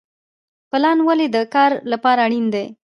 پلان ولې د کار لپاره اړین دی؟